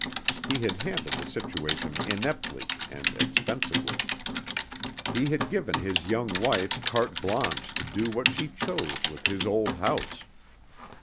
He had handled the situation ineptly and expensively. He had given his young wife carte blanche to do what she chose with his old house.